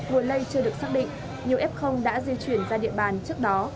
nguồn lây chưa được xác định nhiều f đã di chuyển ra địa bàn trước đó